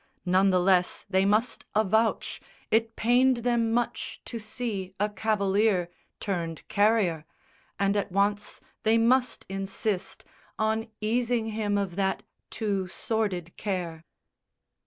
None the less they must avouch It pained them much to see a cavalier Turned carrier; and, at once, they must insist On easing him of that too sordid care.